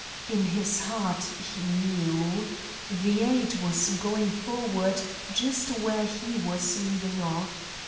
In his heart he knew. The aide was going forward just where he was leaving off.